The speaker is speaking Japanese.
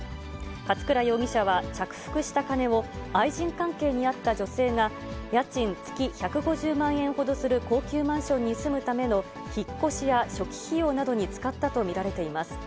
勝倉容疑者は着服した金を愛人関係にあった女性が、家賃月１５０万円ほどする高級マンションに住むための引っ越しや初期費用などに使ったと見られています。